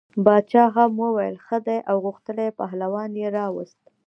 باچا هم وویل ښه دی او غښتلی پهلوان یې راووست.